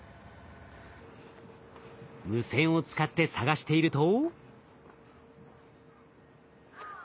無線を使って探していると。